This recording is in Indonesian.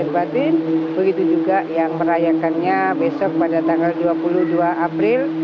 batin begitu juga yang merayakannya besok pada tanggal dua puluh dua april